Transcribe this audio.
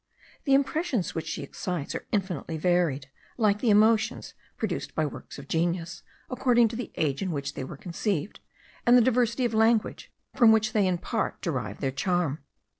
The impressions which she excites are infinitely varied, like the emotions produced by works of genius, according to the age in which they were conceived, and the diversity of language from which they in part derive their charm.